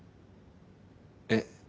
えっ。